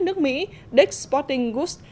nước mỹ dick s sporting goods